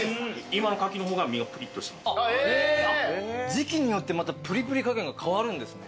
時季によってまたプリプリ加減が変わるんですね。